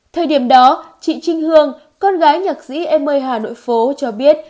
thời điểm đó chị trinh hương con gái nhạc sĩ em ơi hà nội phố cho biết